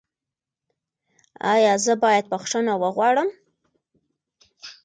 ایا زه باید بخښنه وغواړم؟